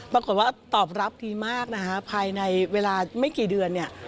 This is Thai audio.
ปรากฏว่าตอบรับดีมากภายในเวลาไม่กี่เดือน